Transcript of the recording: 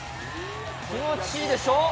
気持ちいいでしょ。